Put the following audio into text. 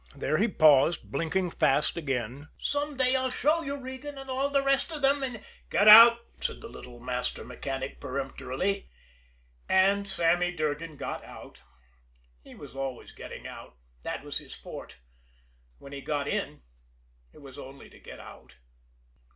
There he paused, blinking fast again: "Some day I'll show you, Regan, you and all the rest of 'em, and " "Get out!" said the little master mechanic peremptorily. And Sammy Durgan got out. He was always getting out. That was his forte. When he got in, it was only to get out.